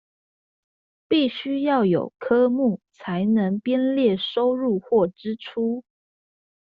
必須要有科目才能編列收入或支出